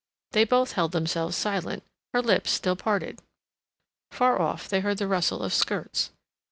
They both held themselves silent, her lips still parted. Far off, they heard the rustle of skirts.